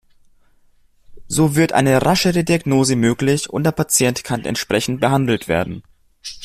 So wird eine raschere Diagnose möglich und der Patient kann entsprechend behandelt werden.